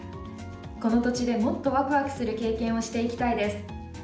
この土地で、もっとわくわくする経験をしていきたいです。